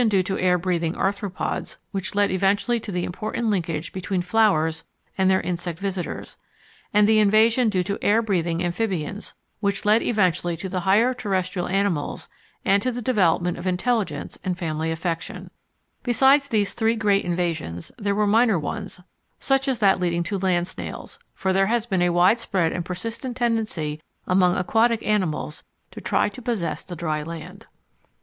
We must recognise the worm invasion, which led eventually to the making of the fertile soil, the invasion due to air breathing Arthropods, which led eventually to the important linkage between flowers and their insect visitors, and the invasion due to air breathing Amphibians, which led eventually to the higher terrestrial animals and to the development of intelligence and family affection. Besides these three great invasions, there were minor ones such as that leading to land snails, for there has been a widespread and persistent tendency among aquatic animals to try to possess the dry land.